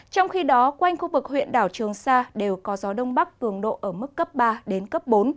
trong khi đó quanh khu vực huyện đảo trường sa đều có gió đông bắc cường độ ở mức cấp ba đến cấp bốn